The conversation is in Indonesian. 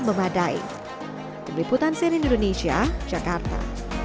memadai keliputan seri indonesia jakarta